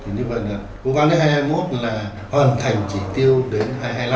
thì như vậy là vụ quan lý hai trăm hai mươi một là hoàn thành chỉ tiêu đến hai trăm hai mươi năm